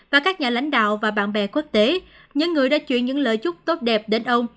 và các nhà lãnh đạo và bạn bè quốc tế những người đã chuyển những lời chúc tốt đẹp đến ông